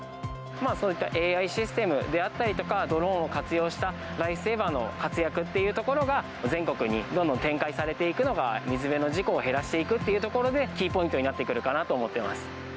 そういったＡＩシステムであったりとか、ドローンを活用した、ライフセーバーの活躍っていうところが、全国にどんどん展開されていくのが、水辺の事故を減らしていくというところで、キーポイントになってくるかなと思っています。